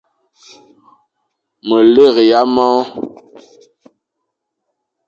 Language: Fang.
Ma lera ye mor.